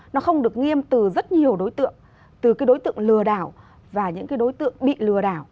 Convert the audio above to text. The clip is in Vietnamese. nó không được nghiêm từ rất nhiều đối tượng từ cái đối tượng lừa đảo và những cái đối tượng bị lừa đảo